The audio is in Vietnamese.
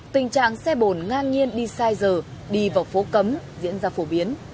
tình trạng xe bồn ngang nhiên đi sai giờ đi vào phố cấm diễn ra phổ biến